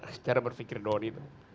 secara berpikir doang itu